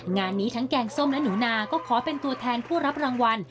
งานนี้ทั้งแกงส้มและหนูนาก็ขอเป็นตัวแทนผู้รับรางวัล